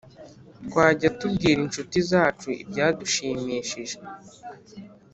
Twajya tubwira inshuti zacu ibyadushimishije